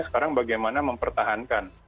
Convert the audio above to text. sekarang bagaimana mempertahankan